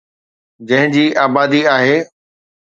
جنهن جي آبادي آهي.